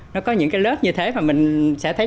nó có những cái lớp như thế mà mình sẽ thấy